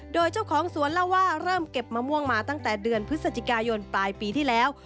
โดยเจ้าของสวนเล่าว่าเริ่มเก็บมะม่วงมาตั้งแต่เดือนพฤศจิกายนปลายปีที่แล้ว